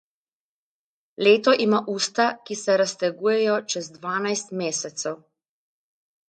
Leto ima usta, ki se raztegujejo čez dvanajst mesecev.